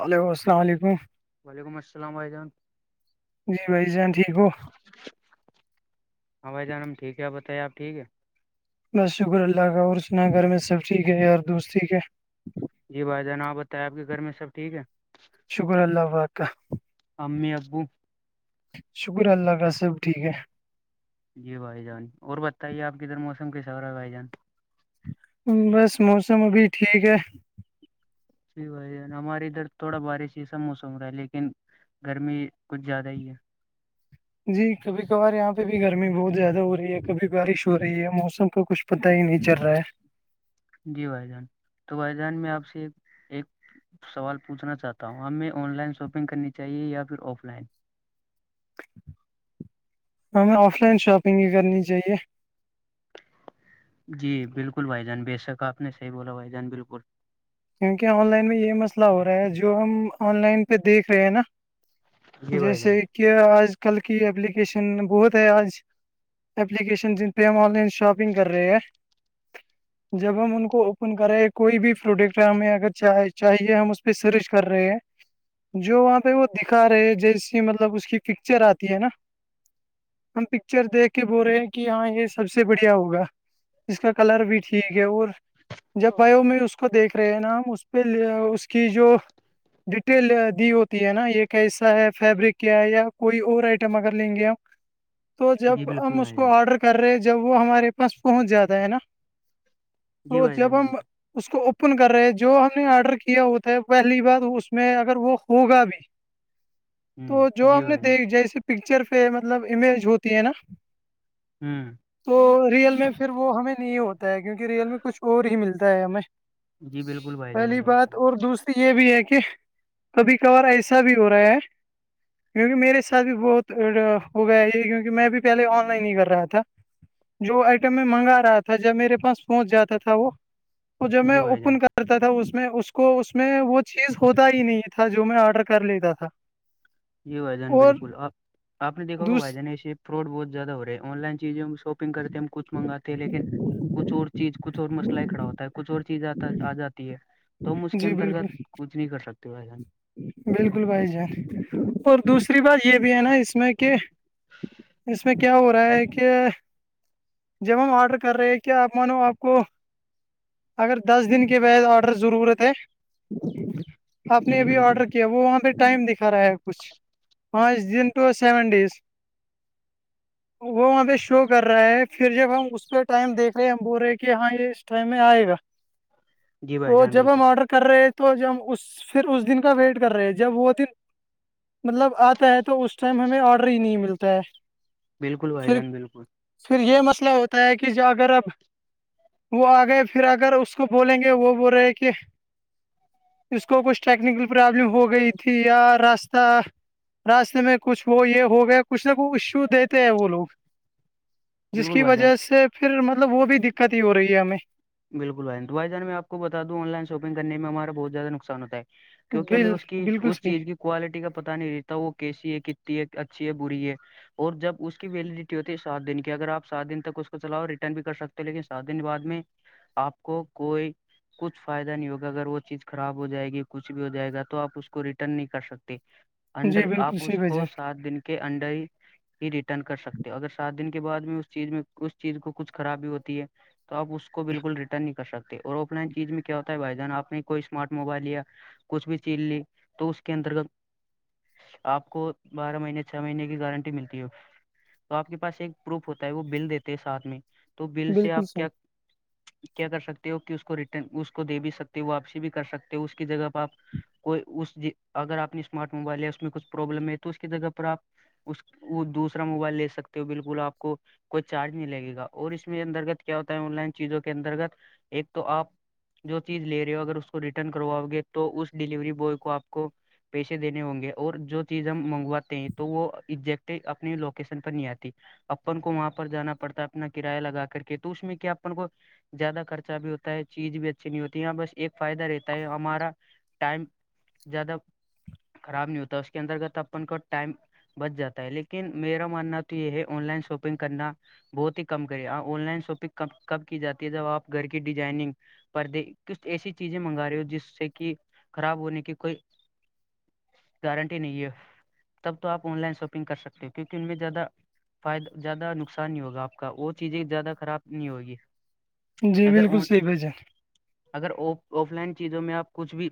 hello السلام علیکم وعلیکم السلام عح جان جی بھائی جان ٹھیک ہو ہاں بائی جان ٹیک ہے بتائیےپ ٹھیک ہے بس شکر اللہ کا اور اسنا گھر میں سب ٹھیک ہے یار دوست ٹھیک ہے جی بھائی جان آاں بتائیں آپ کے گھر میں سب ٹھیک ہے شگر اللہ وا کاا امی ابو شکر اللہ کا سب ٹھیک ہے جی بھائی جان اور بتائیے آپ ک ادھر موسم کسا ہو رہا ہے بھائی جان بس موسم ابھی ٹھیک ہے جی بھائی جان ہمارے ادھر تھوڑا بارش ہی سا موسم رہا ہے لیکن گرمی کچھ زیادہ ہی ہے جی کبھی کبھار یہاں پہ بھی گرمی بہت زیادہ ہو رہی ہے کبھی بارش ہو رہی ہے موسم کا کچھ پت ہی نہیں چل رہا ہے جی بھائی جان تو وائیدہان میں آپ سے ایک سوال پوچنا چاہتا ہوں ہمیں آن لائن شاپنگ کرنی چاہیے یا پھر آف لائن ہمیں آف لائن شاپنگ ہی کرنی چاہیے جی بالکل بھائی جان بے شک آپ نے صحی بولا بھائی جان بالکل کیونکہ آن لائن میں یہ مسئلہ ہو رہا ہے جو ہم آن لائن پہ دیکھ رہے ہیں نا جی بھائی جان جیسے کہ آج کل کی ایپلیکیشن بہت ہے آج ایلیکیشن جن پہ ہم آن لائن شاپنگ کر رہے ہیں جب ہم ان کو اوپن کر رہے ہیں کوئی بھی فروٹ ہمیں اگر چ چاہیے ہم اس پہ سرچ کر رہے ہیں جو وہاں پہ وہ دکھا رہے جیسی مطلب اس کی پکچر آتی ہے نا ہم پکچر دیکھ کے بول رہے ہیں کہ ہاں یہ سب سے بڑھیا ہوگا اس کا کلر بھی ٹھیک ہے اور جب بیو میں اس کو دیکھ پری نام اس پہے اس کی جو ڈیٹیل دی ہوتی ہے نا یہ کیسا ہے فیبرک کیا ہے یا کوئی اور آئٹم اگر لیں گے ہم تو جب جی بالکل ہم اس بھائی جان کو آرڈر کر رہے جب وہ ہمارے پاس پہنچ جاتا ہے نا جی تو بھائی جان جب ہم بالکل اس کو اوپ اپن کر رہے جو ہم نے آرڈر کیا ہو تھا ہے پہلی بار اس میں اگر وہ ہوگا بھی [inaudible] تو جو جی ہم نے بھائی جان دیکھ جیسے پکچر پہ مطلب امیج ہوتی ہے نا ہوں تو ریئل میں پھر وہ ہمیں نہیں ہوتا ہے کیونکہ ریئل میں کچھ اور ہی ملتا ہے ہمیں جی بالکل بھائی جان پہلی بالکل بات اور دوسری یہ بھی ہے کہ کبھی کبھار ایسا بھی ہو رہا ہے کیونکہ میرے سھ بھی بہت ہو گیا یہ کیونکہ میں بھی پہلے آن لائن ہی کر رہا تھا جو آئٹم میں منگا رہا تھا جب میرے پاس سہچ جاتا تھا وہ تو جب میں جی بھائی جان کرتا تھا اس میں اس کو اس میں وہ چیز ہوتا ہی نہیں تھا جو میں آرڈر کر لیتا تھا [inaudible] یہ بھائی جان اور بالکل آپ آپ دیکھا ہوا دوس بھائی جان ایسے فرڈ بہت زیاد ہو رہاے آن لائن چیزیں شاپنگ کرتے ہم کچھ منگاتے ہیں لیکن کچھ اور چیز کچھ اور مسئل کھڑا ہوتا ہے کچھ اور چیز آتا آ جاتی ہے تم اس کے جی انترگت بالکل کچھ نہیں کر سکتے ہو بھائی جان بالکل بھائی جان اور دوسری بات یہ بھی ہے نا اس اس میں کہ اس میں کیا کیا ہو رہا ہے کہ جب ہم آرڈر کر رہے ہیں کیا آپ مانو آپ کو اگر دس دن کے بعد آڈر ضرورت ہے آپ نے جی ابھی بالکل آرڈر کیا وہ وہاں پہ ٹائم دکھا رہا ہے کچھ پانچ دن ٹو سیون ڈیز [inaudible] وہاں پہ شو کر رہا ہے پھر جب ہم اس پہ ٹائم دیکھ رہے ہیں ہم بول رہے کہ ہاں یہ اس ٹائم میں آئے گا [inaudible] بھائی تو جان جب بالکل ہم آرڈر کر رہے تو ہم اس پھر اس دن کا ویٹ کر رہے ہیں جب وہ دن مطلب آتا ہے تو اس ٹائم ہمیں آرڈر ہی نہیں ملتا ہے بالکل بائی پھر جان بالکل پھر یہ مسئلہ ہوتا ہے کہ جو اگر اب وہ آ گئے پھر اگر اس کو بولیں گے وہ بول رہے کہ اس کو کچھ ٹیکنیکل پرابلم ہو گئی تھی یا راستہ راستے میں کچھ وہ یہ ہو گیا کچھ نہ کچشو دیتے ہیں وہ لوگ جس بالکل کی بھائی جان وجہ سے پھر مطلب وہ بھی دقت ہی ہو رہی ہے ہمیں بالکل بائی تو بائی جان میں آپ کو بتاوں آن لن شاپنگنے میں ہمارا بہتیادہ نقص ہو ہے کیونکہ ہمیں بل اس کی بالکل اس چیز صحیح کی کوالٹی کا پتا نہیں رہتا وہ کیسی ہے کتتی ہے اچھی ہے بری ہے اور جب اس کی ویلیڈیٹی ہوتی ہے سات دن کی اگر آپ سات دن تک اس کو چلاؤ ریٹرن بھی کر سکتے ہو لیکن سات دن بد میں آپ کو کوئی کچھ فائدہ نہیں ہوگا اگر وہ چیز خراب ہو جائے گی کچھ بھی ہو جائے گا تو آپ اس کو ریٹرن نہیں کر سکتے انڈر جی بالکل آپ اس صحیح بھائی کو جان سات دن کے انڈر ہی ہی ریٹرن کر سکتے ہو اگر سات دن کے بعد میں اس چیز میں اس چیز کو کچھ خرابی ہوتی ہے آپ اسس کو بالکل ریٹرن نہیں کر سکتے اور آف لائن چیز میں کیا ہوتا ہے بھائی جان آ نے کوئی اسمارٹ موبائل لیا کچھ بھی چیز لی تو اس کے انترگت آپ کو بارہ مہینے چھ مہینے کی گارنٹی ملتی ہے تو آپ کے پاس ایک پروف ہوتا ہے وہ بل دیتے ہیں ساتھ میں تو بل سے بالکل آپ کیا صحیح کیا کر سکتے ہو کہ اس کو رٹرن اس کو دے بھی سکتے ہو واپسی بھی کر سکتے ہو اس کی جگہ پہ آپ کوئی اس اگر آپ نے اسمارٹ موبائل ہے اس میں کچھ پروابلم ہے تو اس کی جگہ پر آپ اس وہ دوسرا موبائل لے سکتے ہو بالکل آپ کو کوئی چارج نہیں لگے گا اور اس میں انترگت کیا ہوتا ہے آن لائن چیزوں کے انترگت ایک تو آپ جو چیز لے رہے ہو اگر اس کو ریٹرن کرواؤ گے تو اس ڈیلیوری بوائے کو آپ کو پیسے دینے ہوں گے اور جو چیز ہم منگواتے ہیں تو وہ ایزیکٹ اپنے لوکیشن پر نہیں آتی اپن کو وہاں پر جانا پڑتا ہے اپنا کرایہ لگا کر کے تو اس میں کیا اپ کو زیادہ خرچہ بھی ہوتا ہے چیز بھی اچھی نہیں ہوتی ہے یہ بس ایک فائدہ رہتا ہے ہمارا ٹائم زیادہ خراب نہیں ہوتا اس کے انترگت اپن کو ٹائم بچ جاتا ہے لیکن میرا ماننا تو یہ ہے آن لائن شاپنگ کرنا بہت ہی کم کرے آن لائن شاپنگ ک کب کی جاتی ہے جب آپ گھر کی ڈیزائنگ پر دے کچھ ایسی چیزیں منگا رہے ہو جس سے کہ خراب ہونے کی کوئی گارنٹی نہیں ہے تب تو آپ آن لائن شاپنگ کر سکتے ہو کیونکہ ان میں زیادہ فدہ زیادہ نقصان نہیں ہوگا آپ کا وہ چیزیں زیادہ خراب نہیں ہوگی جی اگر بالکل صحیح بجے اگر آف لائن چیزوں میں آپ کچھ بھی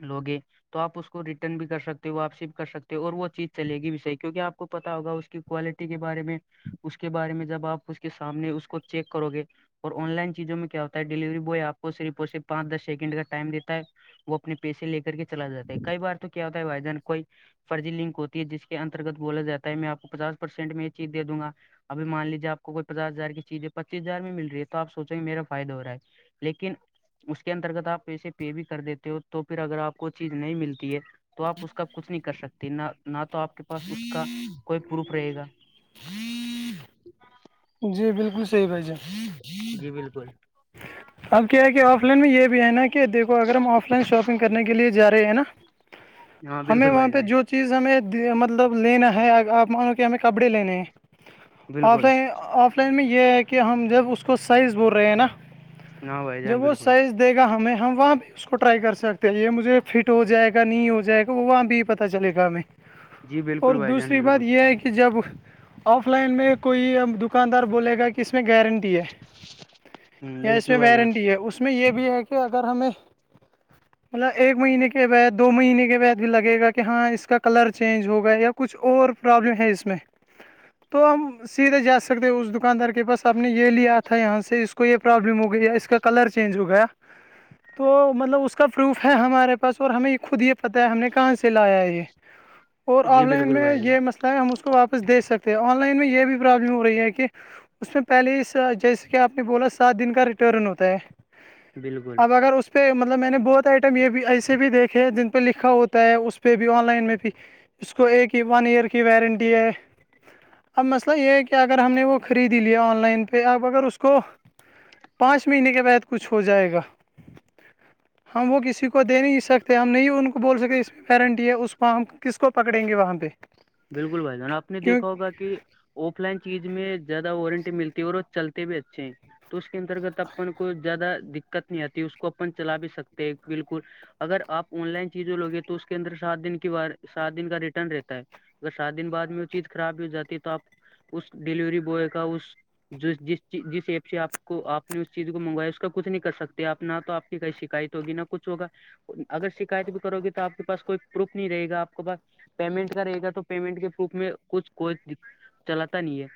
لوگے تو آپ اس کو ریٹرن بھی کر سکتے ہو واپسی بھی کر سکتے ہو اور وہ چیز چلے گی بھی صحیح کیونکہ آپ کو پتا ہوگا اس کی کوالٹی کے بارے میں اس کے بارے میں جب آپ اس کے سامنے اس کو چیک کرو گے اور آن لائن چیزوں میں کیا ہوتا ہے ڈلیوری بوائے آپ کو صرف اور صرف پانچ دس سیکنڈ کا ٹائم دیتا ہے وہ اپنے پیسے لے کر کے چلا جاتا ہے کئی بار تو کیا ہوتا ہے بھائی جان کوئی فرضی لنک ہوتی ہے جس کے انترگت بولا جات ہے میں آپ کو پچاس پرسینٹ میں یہ چیز دوں گا اب مان لیجیے آپ کوئی پچس ہزار کی چیزیں پچیس ہار میں مل رہی ہے تو آپ سوچیں گے میرا فائدہ ہو رہا ہے لیکن اس کے انترگت آپ پیسے پے بھی کر دیتے ہو تو پھر اگر آپ کو چیز نہیں ملتی ہے تو آپ اس کا کچھ نہیں کر سکتے نہ نہ تو آپ کے پاس اس کا کوئی پروف رہے گا جی بالکل صحیح بھائی جان جی بالکل اب کیا کہ آف لائن میں یہ بھی ہے نا کہ دیکھو اگر ہم آف لائن شاپنگ کرنے کے لیے جا رہے ہیں نا ہاں بالکل بھائی یہاں پہ جان جو چیز ہمیں مطلب لینا ہے آپ مانو کہ ہمیں کپڑے لینے ہیں آف بالکل لائن آف لائن میں یہ ہے کہ ہم جب اس کو سائز بول رہے ہیں نا ہاں بھائی جان جب وہ بالکل سائز دے گا ہمیں ہم وہاں اس کو ٹرائی کر سکتے ہیں یہ مجھے فٹ ہو جائے گا نہیں ہو جائے گا وہاں بھی پتا چلے گا ہمیں جی اور بالکل بھائی جان دوسری بالکل بات یہ ہے کہ کہ جب آف لائن میں کوئی اب دکاندار بولے گا کہ اس میں گارنٹی ہے ہ یا اس بالکل میں بھائی جان وارنٹی ہے اس میں یہ بھی ہے کہ اگر ہمیں [unintelligible] مطلب ایک مہینے کے بعد دو مہینے کے بعد بھی لگے گا کہ ہاں اس کا کلر چینج ہوگا یا کچھ اور پرابلم ہے اس میں تو ہم سیدھے جا سکتے اس دکاندار کے پاس آپ نے یہ لیا تھا یہاں سے اس کو یہ پروابلم ہو گئی ہے اس کا کلر چینج ہو گیا تو مطلب اس کا پروف ہے ہمارے پاس اور ہمیں یہ خود یہ پتہ ہے ہم نے کہاں سے لایا ہے یہ [unintelligible] اور آن لائن میں بھائی جان یہ مسئلہ ہے ہم اس کو واپس دے سکتے ہیں آن لائن میں یہ بھی پرابلم ہو رہی ہے کہ اس میں پہلے ہی جیسے کہ آپ نے بولا سات دن کا ریٹرن ہوتا ہے بالکل اب اگر اس پہ مطلب میں نے بہت آئٹم یہ بھی ایسے بھی دیکھے ہیں جن پہ لکھا ہوتا ہے اس پہ بھی آن لائن میں بھی اس کو ایک ہی ون ایئر کی وارنٹی ہے اب مسئلہ یہ ہے کہ اگر ہم نے وہ خریدی لیا آن لائن پہ اب اگر اس کو پانچ مہینے کے بعد کچھ ہو جائے گا [inaudible] ہم وہ کسی کو دے نہیں سکتے ہم نہیں ان کو بول سکتے اس میں گارنٹی ہے اس کو ہم کس کو پکڑیں گے وہاں پہ بالکل بھائی جان آپ نے کیوں دیکھا ہوگا کہ آف لائن چیز میں زیادہ وارنٹی ملتی ہے اور چلتے بھی اچھے ہیں تو اس کے انترگت اپن کوئی زیادہ دقت نہیں آتی اس کو اپن چلا بھی سکتے ہیں بالکل اگر آپ آن لائن چیزوں لوگے تو اس کے اندر سات دن کی سات دن کا ریٹرن رہتا ہے اگر سات دن بعد میں وہ چیز خرابی ہو جاتی ہے تو آپ اس ڈیلیوری بوائے کا اس جس جس جس ایپ سے آپ کو آپ نے اس چیز کو منگوایا اس کا کھ نہیں کر سکتے آپ نہ تو آپ ئی شکایت ہوگی نہ کچھ ہوا اگر شکایت بھی کرو گے تو آپ کے پاس کوئی پروف نہیں رہے گا آپ کے پاس پیمنٹ کرے گا تو پیمنٹ کے پروف میں کچھ کوئی چلاتا نہیں ہے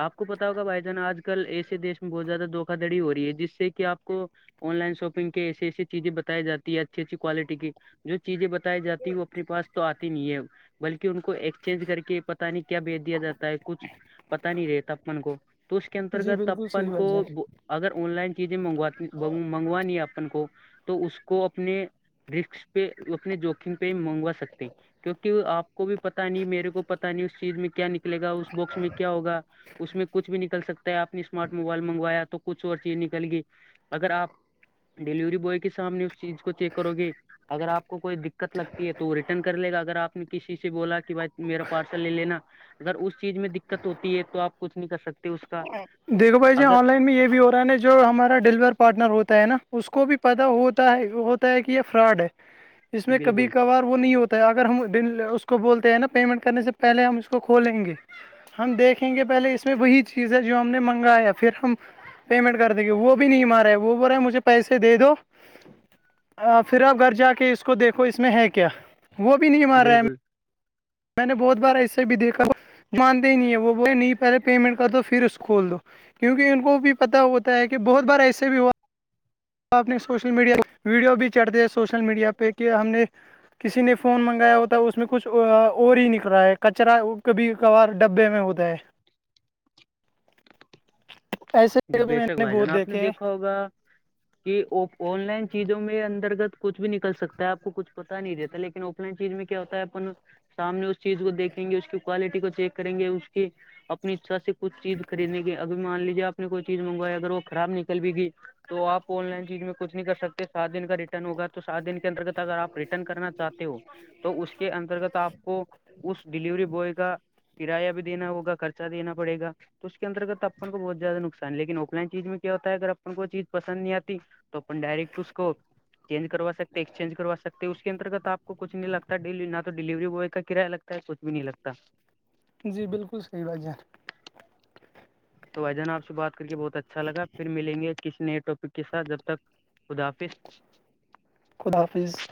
آپ کو پتا ہوگا بھائی جان آج کل ایسے دیش میں بہت زیادہ دھوکا دڑی ہو رہی ہے جس سے کہ آپ کو آن لائن شاپنگ کی ایسیے ایسی چیزیں بتائی جاتی ہے اچھی اچھی کوالٹی کی جو چیزیں ب جات وہ اپنے پاس تو آتی نہیں ہے بلکہ ان کو ایکسچینج کر کے پتا نہیں کیا بیچ دیا جاتا ہے کچھ پتا نہیں رہے تپپن کو تو اس کے انترگت تپپن کو اگر آن لائن چزیں منگوات منگوانی ہے اپن کو تو اس کو اپنے رک پہ اپنے جوکم پہ منگوا سکتے ہیں کیونکہ آپ کو بھی پتا نہیں میرے کو پتا نہیں اس چیز میں کیا نکلے گا اس باکس میں کیا ہوگا اس میں کچھ بھی نکل سکتا ہے آپ نے اسمارٹ موبائل منگوایا تو کچھ اور چیز نکل گی اگر آپ ڈیلیوری بوائے کے سامنے اس چیز کو چیک کرو گی اگر آپ کوئی دقت لگتی ہے تو ریٹرن کر لے گا اگر آپ نے کسی سے بولا کہ ب میرا پارسل لے لینا اگر اس چیز میں دقت ہوتی ہے تو آپ کچھ نہیں کر سکتے اس کا دیکھو بھائی جی اگر آن لائن میں یہ بھی ہو رہا ہے نا جو ہمارا ڈیلیور پارٹنر ہوتا ہے نا اس کو بھی پتا ہوتا ہے ہوتا ہے کہ یہ فراڈ ہے اس میں کبھی بالکل کبھار وہ نہیں ہوتا اگر ہم اس کو بولتے ہیں نا پیمنٹ کرنے سے پہلے ہم اس کو کھولیں گے ہم دیکھیں گے پہلے اس میں وہی چیز ہے جو ہم نے منگایا پھر ہم پیمنٹ کر دیں گے وہ بھی نہیں مار رہے ہے وہ بول رہے ہے مجھے پیسے دے دو آ پھر آپ گھر جا کے اس کو دیکھو اس میں ہے کیا وہ بھی نہیں مار رہا میں بالکل میں نے بہت بار ایسے بھی دیکھا مانتے ہی نہیں ہے وہ بولے نہیں پہلے پیمنٹ کر دو پھر اس کو کھول دو کیونکہ ان کو بھی پتا ہوتا ہے کہ بہت بار ایسے بھی ہوا آپ نے سوشل میڈیا ویڈیو بھی چڑھ دیا سوشل میڈیا پہ کہ ہم نے کسی نے فون منگایا ہوتا ہے اس میں کچھ اور ہی نکل رہا ہے کچرا کبھی کبار ڈبے میں ہوتا ہے [inaudible] جی ایسے بھی بے میں شک بھائی بہت جانا آپ نے دیکھے دیکھا ہیں ہوگا کہ آن لائن چیزوں میں انترگت کچھ بھی نکل سکتا ہے آپ کو کچھ پتا نہیں دیتا لیکن آف لائن چیز میں کیا ہوتا اپن سامنے اس چیز کو دیکھیں گے اس کی کوالٹی کو چیک کریں گے اس کی اپنی اچھا سے کچھ چیز خرینے کی اب مان لیجیے آپ نے کوئی چیز منگوایا اگر وہ خراب نکل بھی گی تو آن لائن چیز میں کچھ نہیں کر سکتے سات دن کا ریٹرن ہوگا تو سات دن کے انترگت اگر آپ ریٹرن کرنا چاہتے ہو تو اس کے انترگت آپ کو اس ڈلیوری بوائے کا کرایہ بھی دا ہوگا خرچہ دینا پڑےا تو اس کے انترگت تو اپن کو بہت زیادہ ن نقصان لیکن آف لائن چیز میں کیا ہوتا ہے اگر اپن کوئی چیز پسند نہیں آتی تو اپن ڈائریکٹ اس کو چینج کروا سکتے ایکسچینج کرا سکتے ہیں اس کے انترگت آپ کو کچھ نہیں لگتا ڈی نہ تو ڈیلیوری بوائے کا کرایہ لگتا کچھ بھی نہیں لگتا جی بالکل صحیح بات ہے تو و جان آ سے بات کر کے بہت اچھا لگ پھر ملیں گےھ کسی نئے ٹاپک کے ساتھ جب تک خدافظ خدافظ